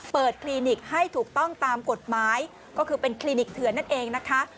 คลินิกให้ถูกต้องตามกฎหมายก็คือเป็นคลินิกเถื่อนนั่นเองนะคะ